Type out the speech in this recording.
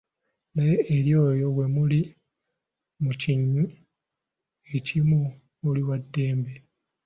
Naye eri oyo bwe muli mu kinywi ekimu oli waddembe.